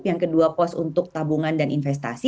yang kedua pos untuk tabungan dan investasi